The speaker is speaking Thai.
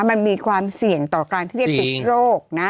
มันมีความเสี่ยงต่อการเทียบศิษย์โรค